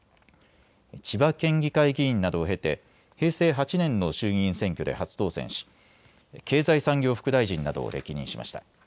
千葉県議会議員などを経て平成８年の衆議院選挙で初当選し、経済産業副大臣などを歴任しました。